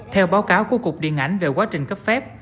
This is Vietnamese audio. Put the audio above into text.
theo báo cáo của cục điện ảnh về quá trình cấp phép